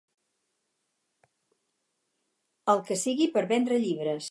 El que sigui per vendre llibres.